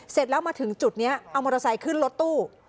เสร็จแล้วมาถึงจุดนี้เอามอเตอร์ไซค์ขึ้นรถตู้